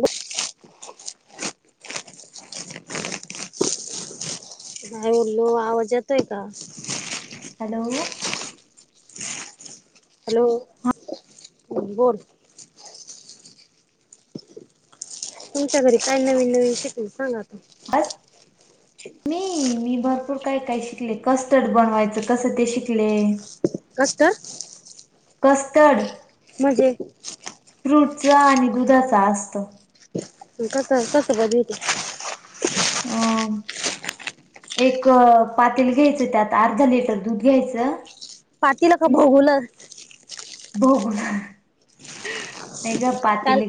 ह hi hello आवाज येतोय का हॅलो हॅलो बोल तुमच्या घरी काय नवीन नवीन शिकल, सांग आता. बस. मी, मी भरपूर काय काय शिकले कस्टर्ड बनवायचं कसं ते शिकले. Custard custard. मजेत. फ्रूटचा आणि दुधाचा असतो. कसं, कसं बनवीती? हम. एक पातील घ्यायचं त्यात अर्ध लिटर दूध घ्यायचं पातील का, बघूलं भगून. काल,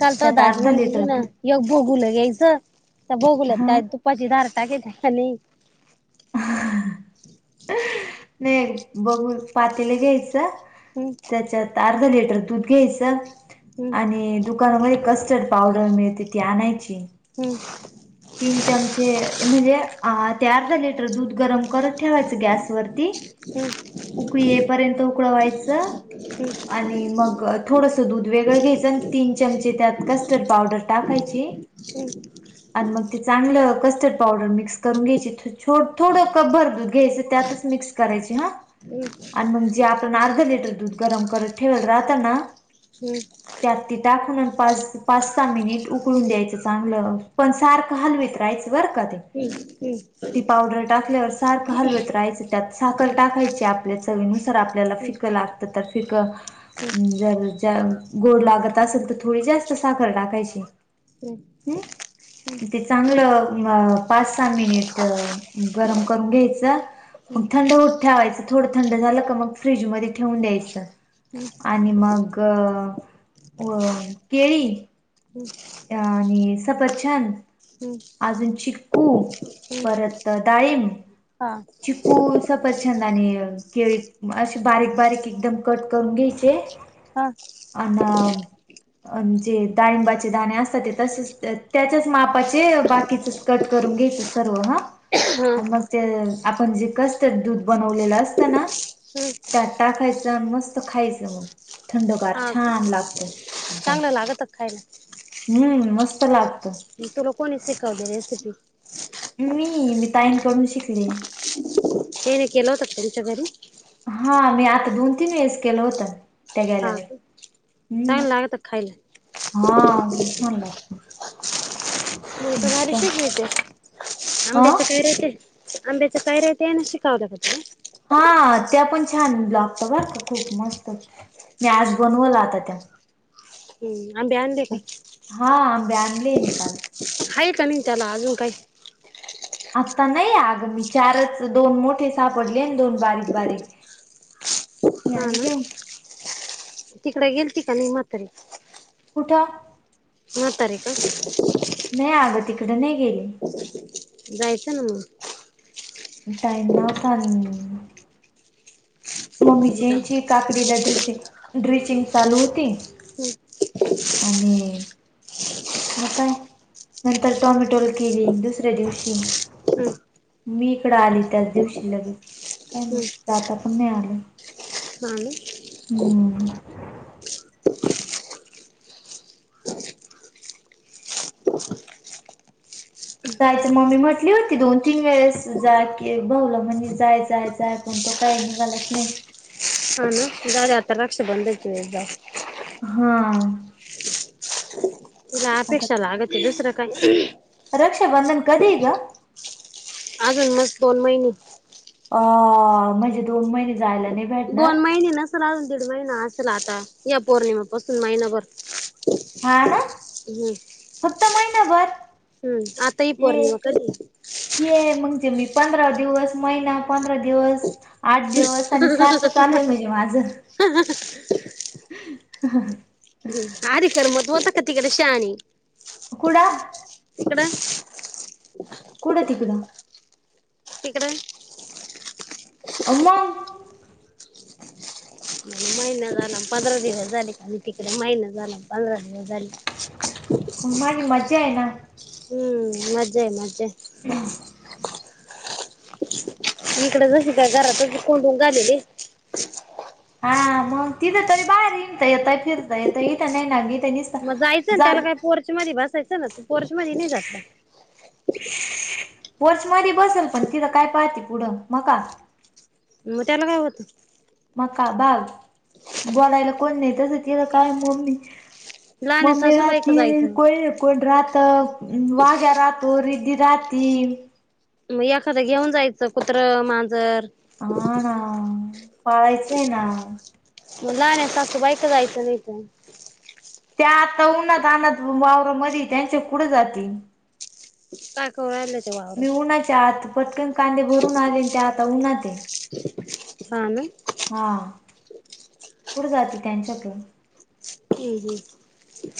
काल तू त्यात दाजी अर्धा म्हणत होते लिटर ना दूध एक भगूल घ्यायचं त्या भगुल्यात हा काय, तुपाची धार टाकायची आणि नाही बघून पातीला घ्यायचं हम्. त्याच्यात अर्धा लिटर दूध घ्यायचं हम्म आणि दुकानामध्ये कस्टर्ड पावडर मिळते ती आणायची. हम्म. तीन चमचे म्हणजे ते अर्धा लिटर दूध गरम करत ठेवायचं गॅसवररती ह [unintelligible] उकळी येपर्यंत उकळायचं. हम्म आणि मग थोडंसं दूध वेगळं घ्यायचं आणि तीन चमचे त्यात कस्टर्ड पावडर टाकायची. हो [unintelligible] आणि मग ते चांगलं कस्टर्ड पावडर मिक्स करून घ्यायची, थोडं कप भर दूध घ्यायचं त्यातच मिक्स करायची ह. आणि मग, जे आपण अर्धा लिटर दूध गरम करत ठेवाल राहताना हम्. त्यात त टाकून पाच पाच सहा मिनिट उकळून द्यायचं चांगलं. पण सारखं हलवीतरायचं बरं का ते. ह. ती पावडर टाकल्यावर सारखं हलवत राहायच, त्यात साखर टाकायची आपल्या चवीनुसार आपल्याला फिक शिक्का लागते तर, फिका जर ज, गोड लागत असेल तर थोडी जास्त साखर टाकायची. ह हम्म [unintelligible] ते चांगलं, पाच, सहा, मिनिट गरम करून घ्यायचं. मग थंड होत ठेवायचं, थोडं थंड झालं क मग फ्रीजमध्ये ठेवून द्यायचं. आणि मग, अ केळी हम्. आणि सपरछान [unintelligible] हम्म अजून च्ू परत डाळम हा चिकू सपरछंद आणि केळी असे बारीक बारीक एकदम कट करून घ्यायचे. हा. अन डाळिंबाचे असतात त्याच्याच मापाचे बाकीचे कट करून घ्यायच सर्व हा. आणि हा मग ते आपण जे कस्टर्ड दूध बनवलेलं असतं ना त्या टाकायचं आणि मस्त खायचं मग थंडगार छान लागत एकदम. लागतात खाला [unintelligible] हम्म, मस्त लागत. तुला कोणी शिकवली रेसिपी? मी मी ताईन करून शिकले. येन के लव त तेचा बररी हा मी आता दोन तीन वेळेस केलं होतं. त्या हा गेल्यावर का हम् चांगलं लागत खायला हा भूछान लागत. म तर मस्त वारीशीच यते अ आंब्याच काय राहते. अंबेच्या कायरय न शिकावतत. हा त्या पण छानलॉगत बरं का खूप मस्त मी आज बनवला आता त्या हम् आ ब्या आण दे का? मी हा बनली निका हा का नि त्याला अजून काही आता नाही आग मी चारच दोन मोठे सापडले दोन बारीक बारीक ह. जानिक तिकड गेल त का नि मात र कुठा? न तारीख आहे. नाही अगं तिकडे नाही गेली. जायचं ना मग यनव तन तिकडं मम्मीचीची काकडीला ड्रििंग ड्रिचिंग चालू होती. होम्. आणि मग काय नंतर टॉमॅटोला केली दुसऱ्या दिवशी हम्म मी इकड आली त्याच दिवशी लगेच काय मग जाता पण नाही आलं. नाान होम. जायचं मम्मी म्हटली होती दोन तीन वेळेस जा की बऊलं म्हणजे जाय जाय जाय पण तो तर नाही गा अस नाही. हाान गारी आतर रक्ष बंदयते एदा हम. इला अपेक्षाला आगत दुसर काय? रक्षा बंधन कधीग अजून मस् दोन महिने अ म्हणजे दोन महिने जायला नाही. भेटणार दोन महिने नसल अजून दीड महिना असल आता या पौर्णिमापासून महिनाभर ह ना. हम्. फक्त महिनाभर हम्म आता ही ये पौर्णिमा कधी ये म्हणजे मी पंधरा दिवस महिना पंधरा दिवस आठ दिवस आणि सारखं चालू आहे म्हणजे माझ हम्म आर कर मत होत का तिकडे शहाणी कुडा इकड कुठं तिकडं? इकडे. अला महिना झाला पंधरा दिवस झाले का तिकडे महिना झाला पंधरा दिवस झाली. माझ मज्जा आहे ना हम्म मज्जा मज्जा इकड जशी काय घरात कोणण झालेले हा मग तिथं तरी बाहेर येकता येतय फिरता येत इथं नाही ना इथ निस मग जायचं ना त्याला काही पोर्च मध भसायचं ना त पोर्च मध्ये नाही जातलं पोर्च मध बसेल पण तिथं काय पाहते पुढं मका मग त्याला काय होतं म का बाग बोलायला कोण नाही तसं केलं काय मम्मी लहान म्मी रा सासूबाई का त जायचं कोय कोड राात वाग्या राातो रिदी रााती मग एखादं घेऊन जायचं कुत्रं मांजर हा ना पाळायचंय ना म ला नाही सासू बायक जायचं नाहीच त्या आता उन्हाात अनथ वावररा मध त्यांच्या कुढं जातील काकले ते वावरवर त्या आत पटकन कांदे भरून आले त्या आता उन्हा ते हा ना हा कढे जाती त्यांच्या प हम्म हम्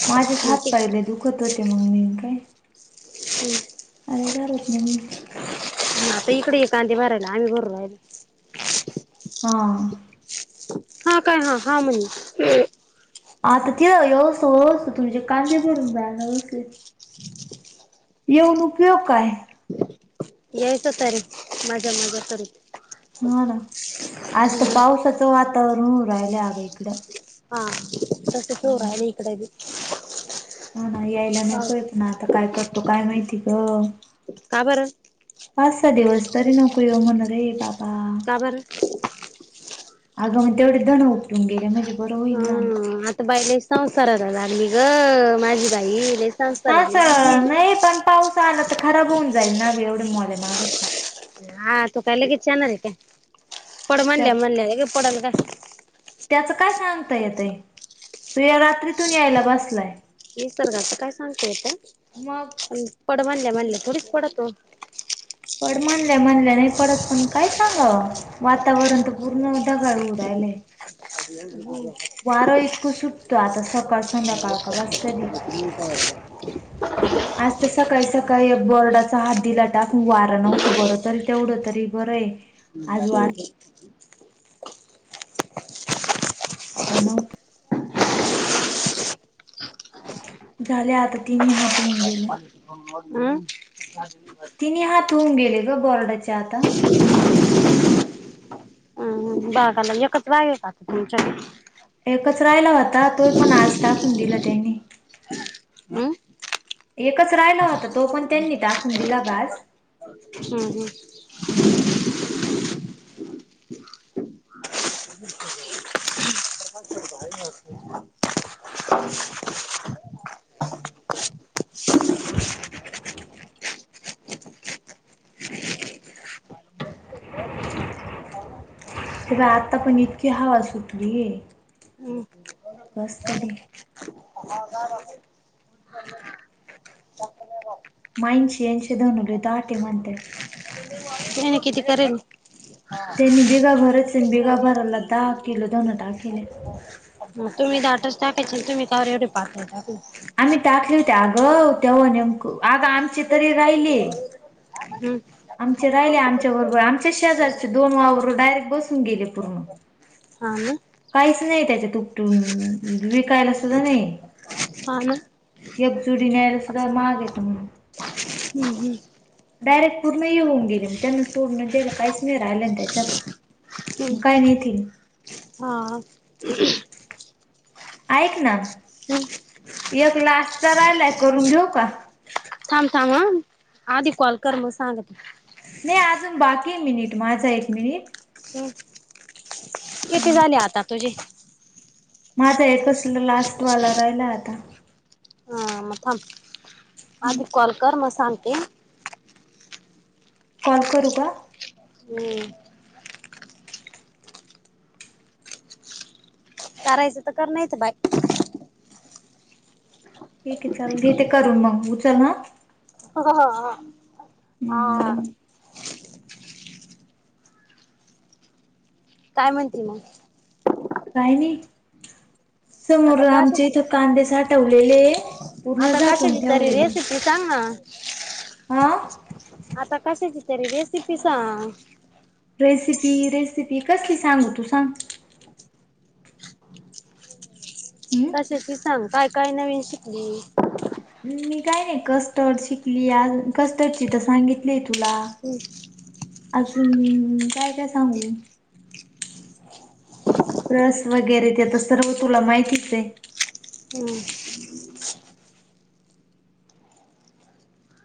माझेच हात पाहिले दुखत होते मग मी काय हम् अररुतात नाहीे आता इकडे ये कांदे भरायला आम्ही भरलोय हा हां काय हा हा म्हण आता तिला यस होस तुमचे कांदे भडून जायलासले येऊन उपयोग काय यायचं त रे मजा मज्या करत ह ना आज तर पावसाचं वातावरण राहिलं हव इकडं हा रसेच उ रा आहेले इकडे ह ना यायला नको पाऊस येत ना आता काय करतो काय माहिती ग का बरं पाच सहा दिवस तरी नको येऊ म्हणार रे बाबा का बर अगं मग तेवढे दण उपटून गेले म्हणजे बरं हा होईल ना आता बाई लस संस्ार झा मी ग माझी बाई ल संस्तारला चल तर खराब होऊन जाईल नाव एवढे मल आहे मागच हा तो काय लगेच येणार आहे काय पड मणल्या मणल्या लगेच पडण का त्याच काय सांगता येतय तू या रात्रीतून यायला बसलाय निसर्गच काय मग सांगतोयता पड म्हणल्या म्हणल्या थोडीच पडतो पण म्हणल्या म्हणल्या नाही, परत काय सांगावा. वातावरण तर पूर्ण ढगाळ हुन राहिलयं. [unintelligible] वारं इतकं सुटतो, आता सकाळ संध्याकाळ [unintelligible] [unintelligible] आज तर सकाळी सकाळी बोर्डाचा हात दिला टाकून वारा नव्हतो बर तररी तेवढं तरी बर आहे आज ठीक वारं आहे अणव झाल्या आता तिन्ही हात होऊन गेले अम, [unintelligible] तिने हात होऊन गेले, गं बोर्डाच्या आता. बागला एकच बाग हाय का, तुमच्याकडे? एकच राहिला होता तो, पण आज टाकुन दिला त्यांनी. अ. एकच राहिला होता. तो पण त्यांनी टाकून दिला, घास हम्म हम्म हम्म. ते बा आता पण इतकी हवा सुटलीये हम् बस कधी ह ह नाही माइनशेन्स दवन दाटे म्हणतेतं. म तेनी किती करेल? त्यांनी बिघा भराचंय आणि बिघाभराला दहा केलं दोन टा केले. तुम्ही दाटच टाकायचे तुम्ही का बरं एवढे पातल टाक आम्ही टाकले होती अगं तेव्हा नेमक आगं आमची तरी राहिलीये. हम्म. आमचे राहिले आमच्याबरोबर आमच्याच शेजाारचे दोन वाबबर डायरेक्ट बसून गेले पूर्ण हा न काहीच नाही त्याच्या तुप विकायला सुद्धा नाहीये. हा ना. एकजुडी न्यायला सुद्धा महाग येत म्ह हम् हमं डायरेक्ट पूर्ण येऊन गेले मग. त्यांना सोडण द्यायला काहीच नाही राहिलं ना त्याच्यात हम्म मग काय नेतील? हा. [inaudible] ऐक ना, हम्म एक ला आस् तर राहिलाय करून घेऊ का? थांब थांब ह, आधी कॉल कर मग सांगते. नाही अजून बाकीयं मिनिट माझा एक मिनिटं. हम्म किती झाले आता तुझे? माझा एकच लास्टवाला राहिलाय आता. म थांब आधी कॉल कर म सांगते. कॉल करू का? हम्म, करायचं तर, कर नाही तर बाय. ठीक आहे, चालेल घेते करून मग उचल ह. हो हो हो, हा. हम्म, काय म्हणते मग? काय नाही समोर आता आमचे कशाची इथं कांदे साठवलेले पूर्ण झाकून ठेवलेली सांगना आ. आता कशाची तरी रेसिपी सांग? रेसिपी रेसिपी कसली सांगू तू सांग? हम्म कशाची सांग काय काय नवीन शिकली मी काय नाही कस्टर्ड शिकली आ कस्टर्डची तर सांगित मी तुला हम्म अजून काय काय सांगु रस वगैरे ते तर सर्व तुला माहितीच आहे. हम्म.